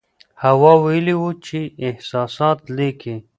هوا ویلي وو چې احساسات لیکي.